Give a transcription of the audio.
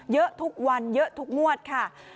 เยอะทุกวันเยอะทุกงวดค่ะ